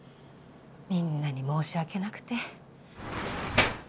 みんなに申し訳なくて。